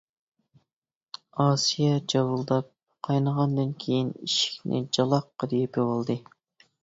ئاسىيە جاۋىلداپ قاينىغاندىن كېيىن ئىشىكنى جالاققىدە يېپىۋالدى.